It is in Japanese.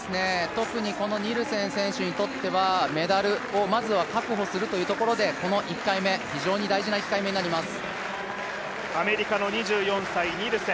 特にニルセン選手にとってはメダルをまずは確保するというところで、この１回目、非常に大事な１回目になります。